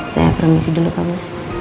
saya permisi dulu pak bos